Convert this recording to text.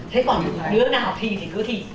thế còn nếu nào thi thì cứ thi